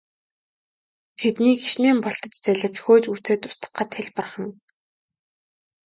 Тэднийг хэчнээн бултаж зайлавч хөөж гүйцээд устгахад хялбархан.